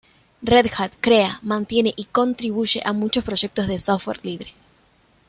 Red Hat crea, mantiene y contribuye a muchos proyectos de software libre.